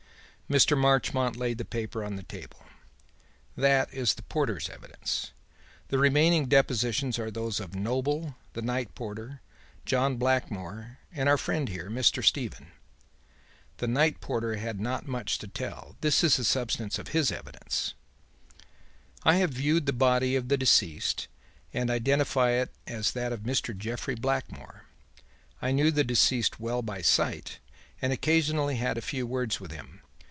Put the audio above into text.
'" Mr. Marchmont laid the paper on the table. "That is the porter's evidence. The remaining depositions are those of Noble, the night porter, John Blackmore and our friend here, Mr. Stephen. The night porter had not much to tell. This is the substance of his evidence: "'I have viewed the body of the deceased and identify it as that of Mr. Jeffrey Blackmore. I knew the deceased well by sight and occasionally had a few words with him.